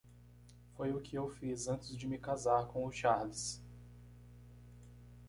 Foi o que eu fiz antes de me casar com o Charles.